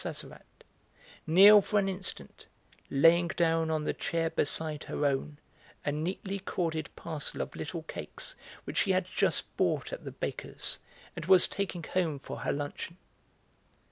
Sazerat kneel for an instant, laying down on the chair beside her own a neatly corded parcel of little cakes which she had just bought at the baker's and was taking home for her luncheon.